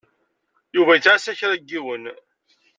Yuba yettɛassa kra n yiwen.